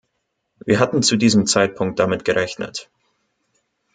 Wir hatten zu diesem Zeitpunkt damit gerechnet.